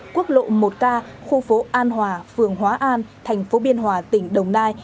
sáu quốc lộ một k khu phố an hòa phường hóa an tp biên hòa tỉnh đồng nai